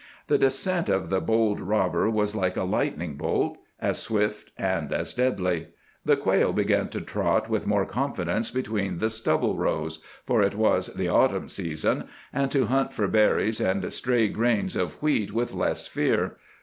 The descent of the bold robber was like a lightning bolt—as swift and as deadly. The quail began to trot with more confidence between the stubble rows—for it was the autumn season—and to hunt for berries and stray grains of wheat with less fear.